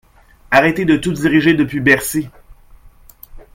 Arrêtez de tout diriger depuis Bercy.